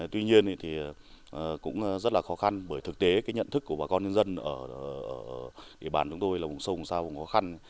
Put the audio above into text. tuy nhiên thì cũng rất là khó khăn bởi thực tế cái nhận thức của bà con nhân dân ở địa bàn chúng tôi là vùng sâu vùng xa vùng khó khăn